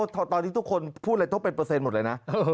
ตอนนี้ทุกคนพูดอะไรทบเป็นเปอร์เซ็นหมดเลยนะ